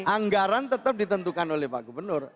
anggaran tetap ditentukan oleh pak gubernur